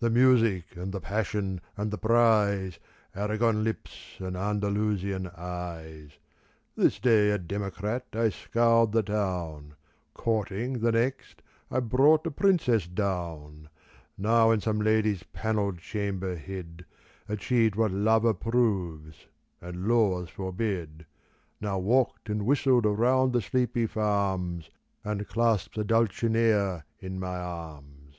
The music and the passion and the prize, Aragon lips and Andalusian eyes. This day a democrat I scoured the town ; Courting, the next, I brought a princess down : Now in some lady's panelled chamber hid Achieved what love approves and laws forbid, Now walked and whistled round the sleepy farms And clasped a Dulcinea in my arms.